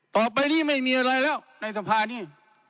ต่อไปนี้ไม่มีอะไรแล้วในสภานี้